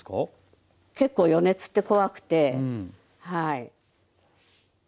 結構余熱って怖くてはい。